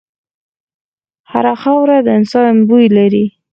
هره خاوره د انسان بوی لري.